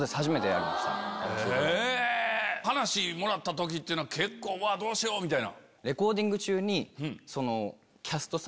話もらった時っていうのはうわどうしよう！みたいな？